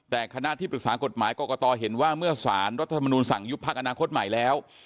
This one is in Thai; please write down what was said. แต่คณะที่ปรึกษากฎหมายกรกตเห็นว่าเมื่อสารรัฐธรรมนูลสั่งยุบพักอนาคตใหม่แล้ว